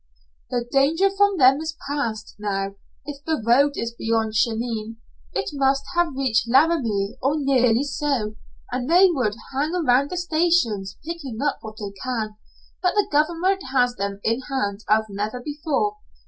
"The danger from them is past, now. If the road is beyond Cheyenne, it must have reached Laramie or nearly so, and they would hang around the stations, picking up what they can, but the government has them in hand as never before.